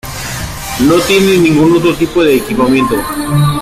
No tiene ningún otro tipo de equipamiento.